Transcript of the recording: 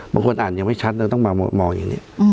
บางคนอ่านยังไม่ชัดเลยต้องมามองอย่างนี้